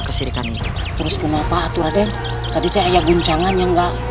kesirikan itu terus kenapa atur adek tadi teh ayah guncangan yang enggak